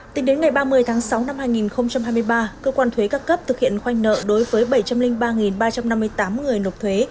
tính đến ngày ba mươi tháng sáu năm hai nghìn hai mươi ba cơ quan thuế các cấp thực hiện khoanh nợ đối với bảy trăm linh ba ba trăm năm mươi tám người nộp thuế